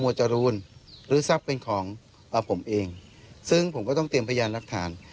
จรูนหรือทรัพย์เป็นของผมเองซึ่งผมก็ต้องเตรียมพยานหลักฐาน